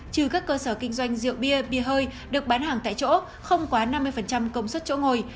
trừ các cơ sở kinh doanh rượu bia bia hơi được bán hàng tại chỗ không quá năm mươi công suất chỗ ngồi